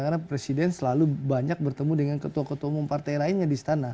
karena presiden selalu banyak bertemu dengan ketua ketua umum partai lainnya di stana